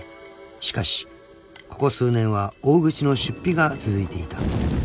［しかしここ数年は大口の出費が続いていた］